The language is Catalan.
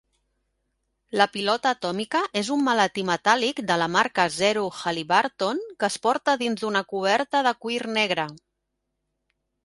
La pilota atòmica és un maletí metàl·lic de la marca Zero Halliburton que es porta dins d'una coberta de cuir negre.